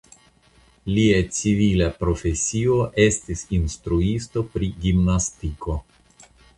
Lia civila profesio estis instruisto pri gimnastiko.